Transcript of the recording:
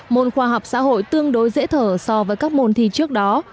môn khoa học xã hội tương đối dễ thở so với các môn thi trước đó